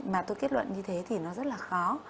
mà tôi kết luận như thế thì nó rất là khó